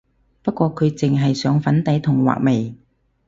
不過佢淨係上粉底同畫眉